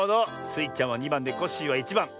スイちゃんは２ばんでコッシーは１ばん。